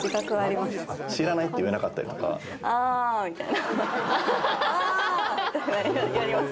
知らないって言えなかったりとか。ってやります